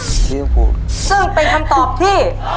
ซึ่งเป็นคำตอบที่